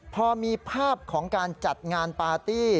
พอมีภาพของการจัดงานปาร์ตี้